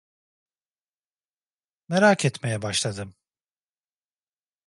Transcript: Merak etmeye başladım.